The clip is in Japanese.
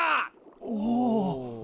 おお。